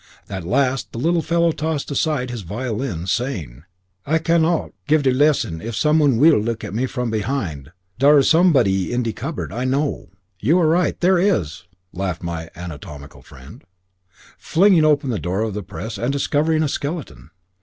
At last the little fellow tossed aside his violin, saying "I can note give de lesson if someone weel look at me from behind! Dare is somebodee in de cupboard, I know!" "You are right, there is!" laughed my anatomical friend, flinging open the door of the press and discovering a skeleton.